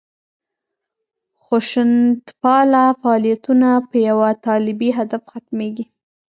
خشونتپاله فعالیتونه په یوه طالبي هدف ختمېږي.